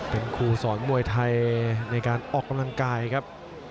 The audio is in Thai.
เป็นครูสอนมวยไทยในการออกกำลังกายครับ